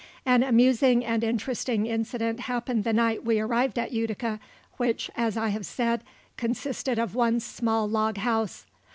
An amusing and interesting incident happened the night we arrived at Utica which, as I have said, consisted of one small log house.